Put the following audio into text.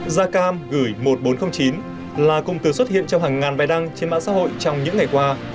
gia cam gửi một nghìn bốn trăm linh chín là cùng từ xuất hiện trong hàng ngàn bài đăng trên mạng xã hội trong những ngày qua